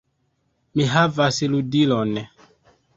Mi havas ludilon!